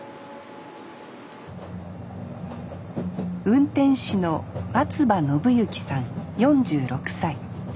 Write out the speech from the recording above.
運転士の松葉伸行さん４６歳。